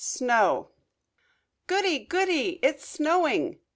"_ SNOW "Goody, goody, it's snowing!"